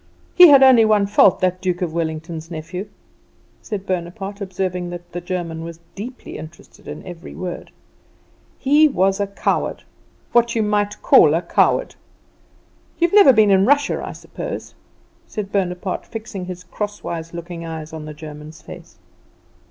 He had only one fault, that Duke of Wellington's nephew," said Bonaparte, observing that the German was deeply interested in every word, "He was a coward what you might call a coward. You've never been in Russia, I suppose?" said Bonaparte, fixing his crosswise looking eyes on the German's face.